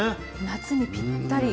夏にぴったり。